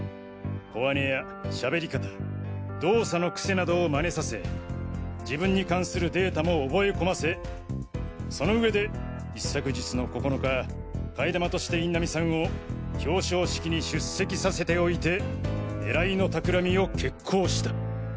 声音や喋り方動作のクセなどを真似させ自分に関するデータも覚え込ませその上で一昨日の９日替え玉として印南さんを表彰式に出席させておいて狙いの企みを決行した。